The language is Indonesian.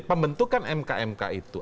pembentukan mk mk itu